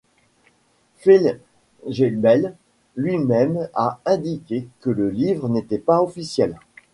Fellgiebel lui-même a indiqué que le livre n'était pas officiel.